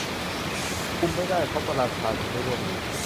คุมไม่ได้ เพราะประชาชนไม่ร่วมมือ